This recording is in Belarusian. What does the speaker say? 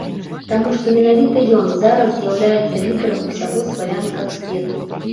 Таму што менавіта ён зараз з'яўляецца лідэрам усяго славянскага свету.